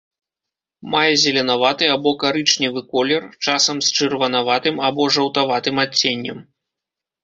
Мае зеленаваты або карычневы колер, часам з чырванаватым або жаўтаватым адценнем.